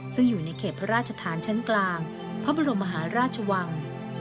ซึ่งอยู่ในเขตพระราชฐานชั้นกลางพระบรมมหาราชวัง